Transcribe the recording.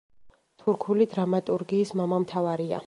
თურქული დრამატურგიის მამამთავარია.